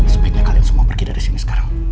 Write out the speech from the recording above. sebaiknya kalian semua pergi dari sini sekarang